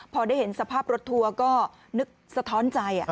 พอได้เห็นสภาพรถทัวร์ก็นึกสะท้อนใจ